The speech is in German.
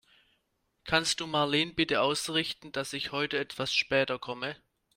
Kannst du Marleen bitte ausrichten, dass ich heute etwas später komme?